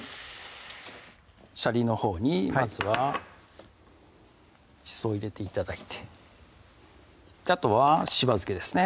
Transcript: しゃりのほうにまずはしそを入れて頂いてあとはしば漬けですね